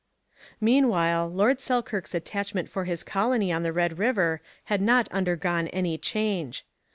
Meanwhile, Lord Selkirk's attachment for his colony on the Red River had not undergone any change.